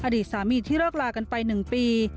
อดีตสามีที่เลิกลากันไป๑ปี